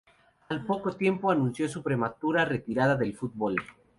Al poco tiempo anunció su prematura retirada del fútbol.